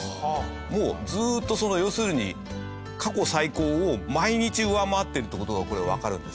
もうずーっと要するに過去最高を毎日上回ってるという事がこれわかるんですね。